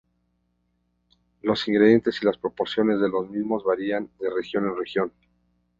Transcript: Los ingredientes y las proporciones de los mismos varían de región en región.